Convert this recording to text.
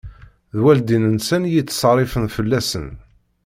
D lwaldin-nsen i yettṣerrifen fell-asen.